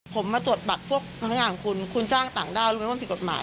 ผมมาตรวจบัตรพวกพนักงานของคุณคุณจ้างต่างด้าวรู้ไหมว่ามันผิดกฎหมาย